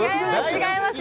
違います